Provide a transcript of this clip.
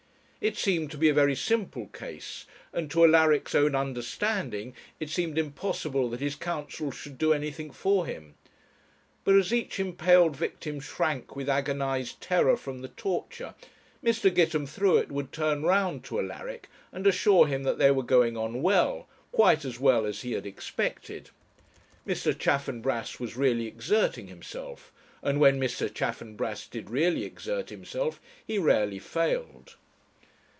It seemed to be a very simple case; and, to Alaric's own understanding, it seemed impossible that his counsel should do anything for him. But as each impaled victim shrank with agonized terror from the torture, Mr. Gitemthruet would turn round to Alaric and assure him that they were going on well, quite as well as he had expected. Mr. Chaffanbrass was really exerting himself; and when Mr. Chaffanbrass did really exert himself he rarely failed.